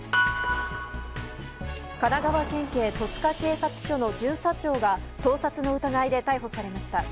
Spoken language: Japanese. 神奈川県警戸塚警察署の巡査長が、盗撮の疑いで逮捕されました。